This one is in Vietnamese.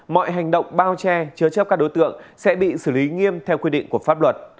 mọi hành động bao che chứa chấp các đối tượng sẽ bị xử lý nghiêm theo quy định của pháp luật